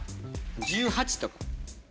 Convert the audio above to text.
１８とか。